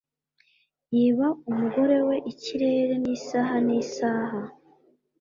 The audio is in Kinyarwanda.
yiba umugore we ikirere nisaha nisaha